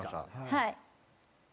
はい。